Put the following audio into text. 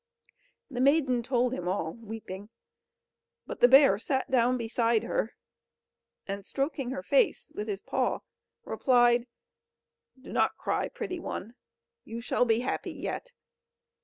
The maiden told him all, weeping; but the bear sat down beside her, and stroking her face with his paw, replied: "Do not cry, pretty one; you shall be happy yet.